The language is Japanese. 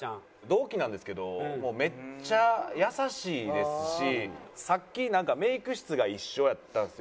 同期なんですけどもうめっちゃ優しいですしさっきなんかメイク室が一緒やったんですよ。